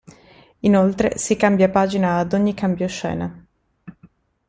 Inoltre si cambia pagina ad ogni cambio scena.